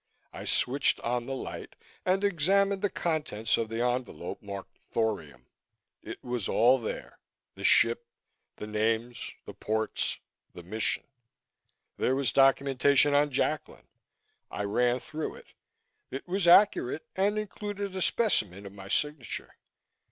I switched on the light and examined the contents of the envelope marked "Thorium." It was all there the ship the names the ports the mission. There was documentation on Jacklin. I ran through it. It was accurate and included a specimen of my signature.